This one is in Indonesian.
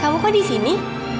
kamu kok disini